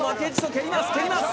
蹴ります